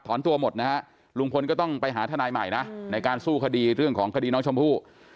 ตัวหมดนะฮะลุงพลก็ต้องไปหาทนายใหม่นะในการสู้คดีเรื่องของคดีน้องชมพู่